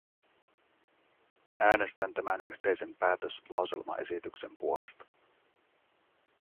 Äänestän tämän yhteisen päätöslauselmaesityksen puolesta.